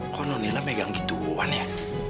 kok nondila megang gituan ya